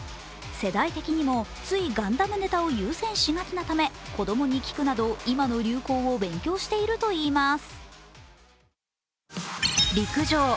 世代的にもついガンダムネタを優先しがちなため子供に聞くなど今の流行を勉強しているといいます。